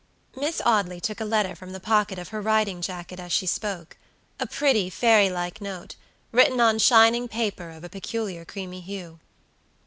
Miss Audley took a letter from the pocket of her riding jacket as she spokea pretty, fairy like note, written on shining paper of a peculiar creamy hue.